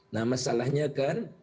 nah masalahnya kan